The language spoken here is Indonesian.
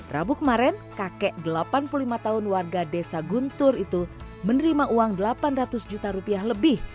rabu kemarin kakek delapan puluh lima tahun warga desa guntur itu menerima uang delapan ratus juta rupiah lebih